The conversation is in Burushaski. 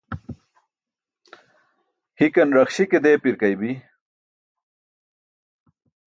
Hikan raxśi ke deepi̇rkaybi̇.